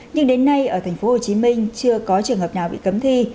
nhưng đến nay ở tp hcm chưa có trường hợp nào bị cấm thi